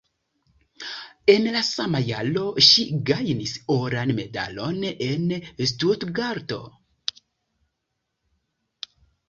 En la sama jaro ŝi gajnis oran medalon en Stutgarto.